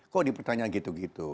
kok dipertanyaan gitu gitu